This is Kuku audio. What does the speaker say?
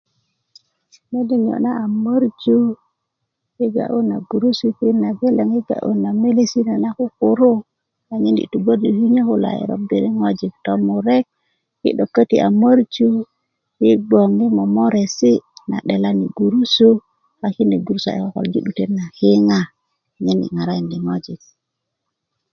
mede niyo' na a möröju yi ga'yu na gurusu yi pirit nageleŋ yi ga'yu na melesino na kukuru anyen yi tugborju kinyo kulo a yi robi ŋojik kulo yi sukulu tomurek yi' köti a möröju yi gboŋ yi momoresi' na 'delani gurusu a kine gurusu a yi' ko korji' yi 'dutet na kiŋa anyen yi' ŋarakindi ŋojik